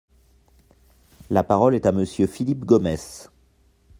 La parole est à Monsieur Philippe Gomes.